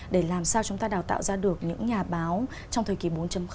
để làm sao chúng ta đào tạo ra được những nhà báo trong thời kỳ bốn